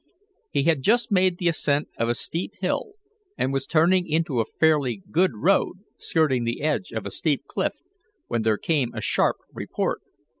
He had just made the ascent of a steep hill, and was turning into a fairly good road, skirting the edge of a steep cliff, when there came a sharp report.